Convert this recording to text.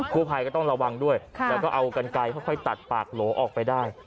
ผู้ภัยก็ต้องระวังด้วยแล้วก็เอากันไกลค่อยตัดปากโหลออกไปได้